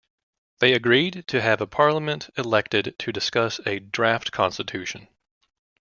They agreed to have a parliament elected to discuss a draft constitution.